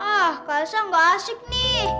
ah kak aisyah nggak asik nih